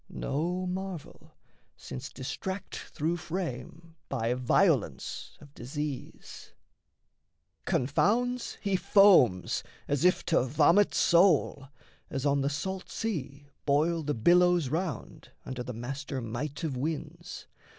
No marvel, since distract Through frame by violence of disease. Confounds, he foams, as if to vomit soul, As on the salt sea boil the billows round Under the master might of winds.